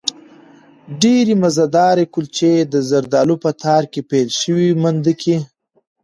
ډېرې مزهدارې کلچې، د زردالو په تار کې پېل شوې مندکې